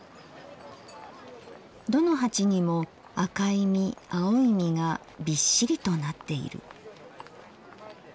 どの鉢にも赤い実青い実がびっしりとなっている。